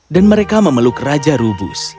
mereka memeluk raja rubus